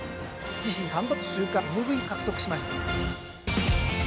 自身３度目の週間ＭＶＰを獲得しました。